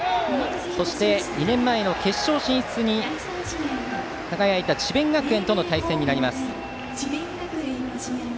そして２年前の決勝進出に輝いた智弁学園との対戦になります。